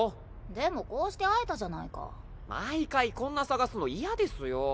でもこうして会えたじゃないか。毎回こんな捜すの嫌ですよ。